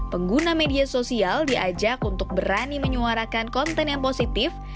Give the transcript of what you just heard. pengguna media sosial diajak untuk berani menyuarakan konten yang positif